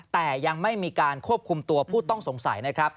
แต่ยังไม่มีการควบคุมตัวผู้ต้องสงสัยนะครับ